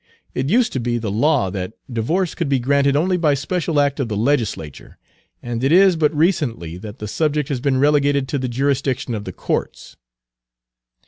It used to be the law that divorce could be granted only by special act of the legislature; and it is but recently that the subject has been relegated to the jurisdiction of the courts."